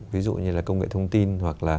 ví dụ như là công nghệ thông tin hoặc là